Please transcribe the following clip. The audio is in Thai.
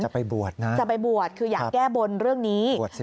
จะไปบวชนะจะไปบวชคืออยากแก้บนเรื่องนี้